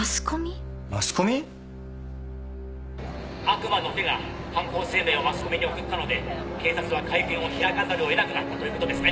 悪魔の手が犯行声明をマスコミに送ったので警察は会見を開かざるを得なくなったということですね？